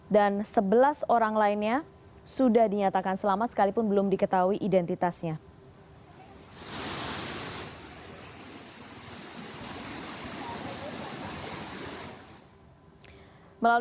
dan sebelas orang lainnya sudah dinyatakan selamat sekalipun belum diketahui identitasnya